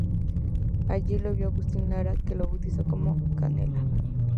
Allí lo vio Agustín Lara que lo bautizó como "Canela".